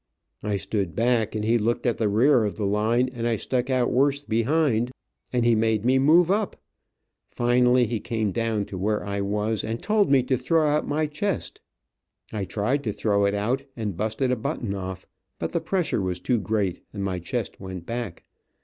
I stood back, and he looked at the rear of the line, and I stuck out worse behind, and he made me move up. Finally he came down to where I was and told me to throw out my chest. I tried to throw it out, and busted a button off, but the pressure was too great, and my chest went back.